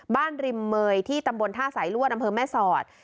ริมเมยที่ตำบลท่าสายลวดอำเภอแม่สอด